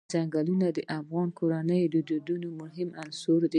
ځنګلونه د افغان کورنیو د دودونو مهم عنصر دی.